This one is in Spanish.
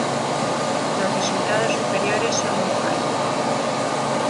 Los resultados superiores son un fallo.